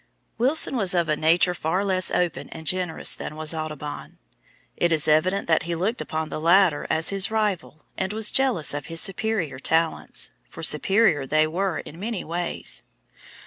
Wilson was of a nature far less open and generous than was Audubon. It is evident that he looked upon the latter as his rival, and was jealous of his superior talents; for superior they were in many ways.